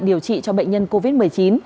điều trị cho bệnh nhân covid một mươi chín